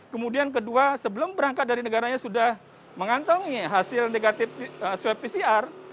kemudian kedua sebelum berangkat dari negaranya sudah mengantongi hasil negatif swab pcr